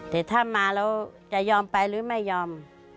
แต่ถ้ามาแล้วจะยอมไปหรือไม่ยอม